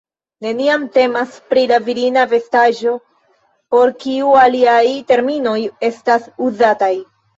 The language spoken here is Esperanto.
Neniam temas pri la virina vestaĵo, por kiu aliaj terminoj estas uzataj.